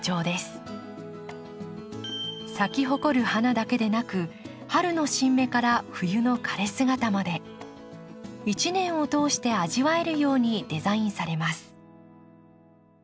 咲き誇る花だけでなく春の新芽から冬の枯れ姿まで一年を通して味わえるようにデザインされます。